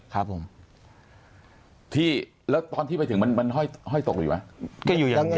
แล้วตอนที่ถึงมันเฮ้อทกหรือยังวะ